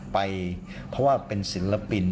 เพราะว่าเป็นศิลปิน